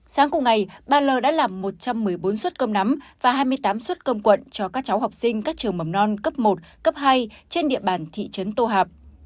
sáng cùng ngày ba lơ đã làm một trăm một mươi bốn suất cơm nắm và hai mươi tám suất công quận cho các cháu học sinh các trường mầm non cấp một cấp hai trên địa bàn thị trấn tô hạp